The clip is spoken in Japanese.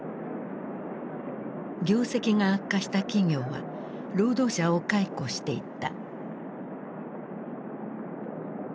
業績が悪化した企業は労働者を解雇していった。